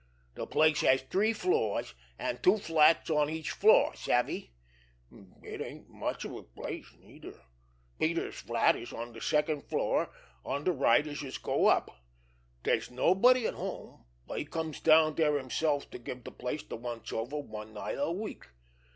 De place has three floors, an' two flats on each floor, savvy? It ain't much of a place, neither. Peters' flat is on de second floor, on de right as youse go up. Dere's nobody at home, but he comes down dere himself to give de place de once over one night a week.